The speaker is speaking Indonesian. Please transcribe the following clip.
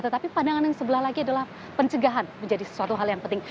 tetapi pandangan yang sebelah lagi adalah pencegahan menjadi sesuatu hal yang penting